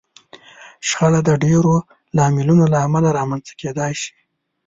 شخړه د ډېرو لاملونو له امله رامنځته کېدای شي.